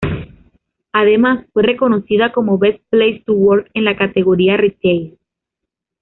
Además, fue reconocida como Best Place To Work en la categoría retail.